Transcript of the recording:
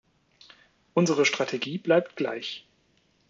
Unsere Strategie bleibt gleich.